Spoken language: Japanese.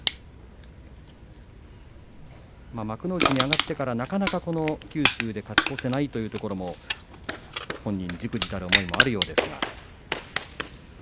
幕内に上がってからなかなか九州で勝ち越せない本人じくじたる思いがあるようです。